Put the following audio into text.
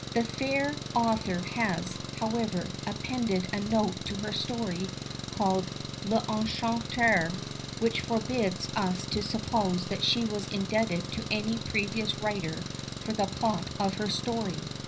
The fair author has, however, appended a note to her story called L'Enchanteur, which forbids us to suppose that she was indebted to any previous writer for the plot of her story.